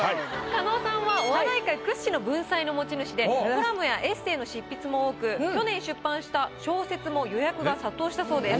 加納さんはお笑い界屈指の文才の持ち主でコラムやエッセイの執筆も多く去年出版した小説も予約が殺到したそうです。